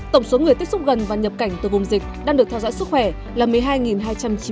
tổng số người tiếp xúc gần và nhập cảnh từ vùng dịch đang được theo dõi sức khỏe là một mươi hai hai trăm chín mươi chín người